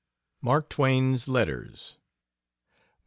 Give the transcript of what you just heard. MARK TWAIN'S LETTERS I.